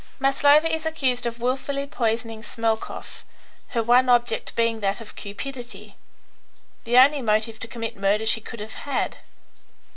Maslova is accused of wilfully poisoning Smelkoff, her one object being that of cupidity, the only motive to commit murder she could have had.